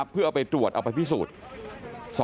เพื่อเอาไปตรวจเอาไปพิสูจน์